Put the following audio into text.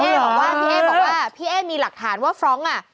อ๋อเหรอเอ๊พี่เอ๊บอกว่าพี่เอ๊มีหลักฐานว่าฟ้อง